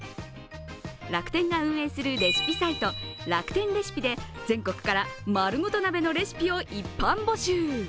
楽天が運営するレシピサイト楽天レシピで全国からまるごと鍋のレシピを一般募集。